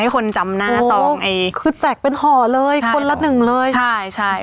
คนจำหน้าซองคือแจกเป็นห่อเลยคนละหนึ่งเลยใช่ใช่